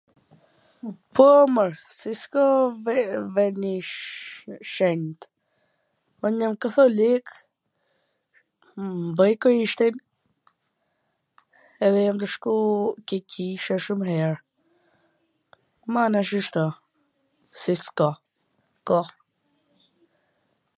Po mor, si s ka ven i ... ven i shenjt? Un jam katholik, bwj Krishtin, edhe jam tu shku ke kisha shum her, mana shishto, si s ka? ka.